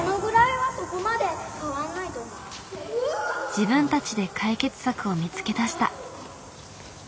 自分たちで解決策を見つけ出した。